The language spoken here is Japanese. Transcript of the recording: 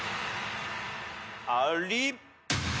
あり。